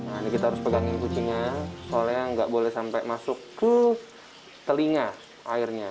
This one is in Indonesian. nah ini kita harus pegangin kucingnya soalnya nggak boleh sampai masuk ke telinga airnya